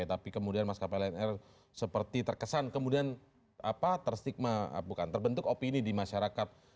tapi kemudian maskapai lion air seperti terkesan kemudian terstigma bukan terbentuk opini di masyarakat